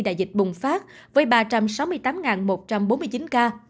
đại dịch bùng phát với ba trăm sáu mươi tám một trăm bốn mươi chín ca